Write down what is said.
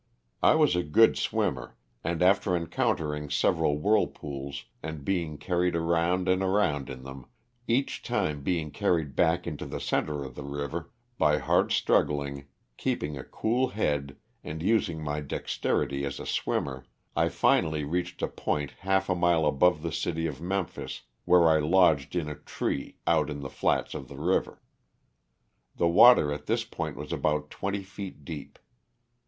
I was a good swimmer, and after encountering several whirlpools and being carried around and around in them, each time being carried back into the center of the river, by hard struggling, keeping a cool head and using my dexterity as a swimmer I finally reached a point half a mile above the city of Memphis where I lodged in a tree out in the flits of the river. The water at this point was about twenty feet deep.